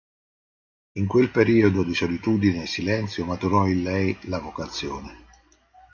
In quel periodo di solitudine e silenzio maturò in lei la vocazione.